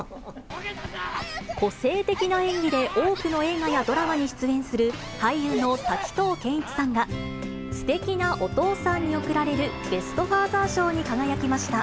個性的な演技で多くの映画やドラマに出演する俳優の滝藤賢一さんが、すてきなお父さんに贈られるベスト・ファーザー賞に輝きました。